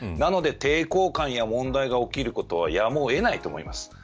なので抵抗感や問題が起きることはやむを得ないと思います。